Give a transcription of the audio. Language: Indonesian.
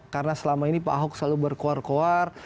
karena selama ini pak ahok selalu berkuar kuar